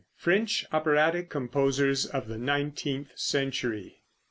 FRENCH OPERATIC COMPOSERS OF THE NINETEENTH CENTURY.